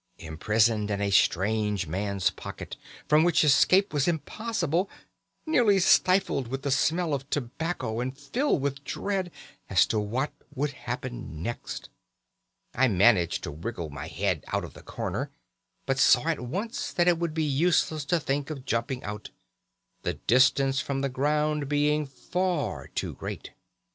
Imprisoned in a strange man's pocket, from which escape was impossible, nearly stifled with the smell of tobacco, and filled with dread as to what would happen next. I managed to wriggle my head out of the corner, but saw at once that it would be useless to think of jumping out, the distance from the ground being far too great.